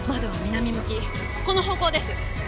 この方向です。